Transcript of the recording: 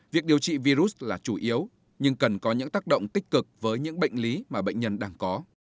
việc điều trị virus là chủ yếu nhưng cần có những tác động tích cực với những bệnh lý mà bệnh nhân đang có